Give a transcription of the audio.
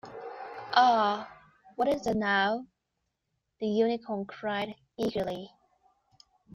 ‘Ah, what is it, now?’ the Unicorn cried eagerly.